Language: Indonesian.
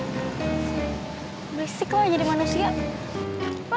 biasa lo jadi manusia